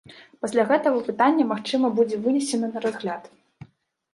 Пасля гэтага пытанне, магчыма, будзе вынесены на разгляд.